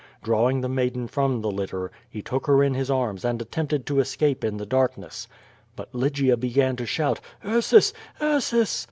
Drawing the maiden from the lit ter, he took her in his arms and attempted to escape in the darkness. But Lygia began to shout: "Ursus, Ursus!"